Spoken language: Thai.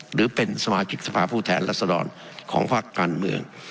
หรือเป็นสมาชิกสภาพผู้แทนรัศดรของภาคการเมือง